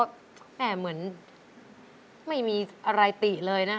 แม่เหมือนไม่มีอะไรติเลยนะ